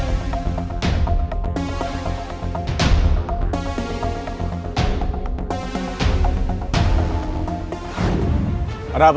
dia memang orang elu